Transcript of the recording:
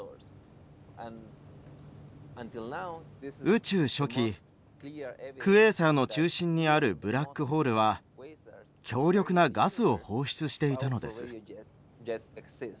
宇宙初期クエーサーの中心にあるブラックホールは強力なガスを放出していたのです。